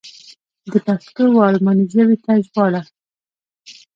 د پښتو و الماني ژبې ته ژباړه.